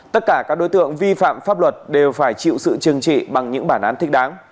tất cả các đối tượng vi phạm pháp luật đều phải chịu sự chừng trị bằng những bản án thích đáng